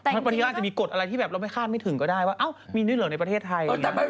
พรภัยเราก็จะมีกฎที่แบบเราไม่คาดไม่ถึงก็ได้ว่ามีนิดเหลือในประเทศไทย